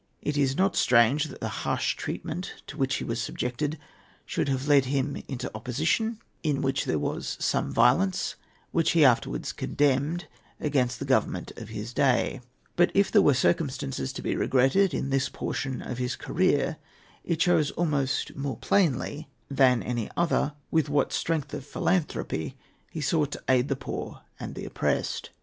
It is not strange that the harsh treatment to which he was subjected should have led him into opposition, in which there was some violence, which he afterwards condemned, against the Government of the day. But, if there were circumstances to be regretted in this portion of his career, it shows almost more plainly than any other with what strength of philanthropy he sought to aid the poor and the oppressed.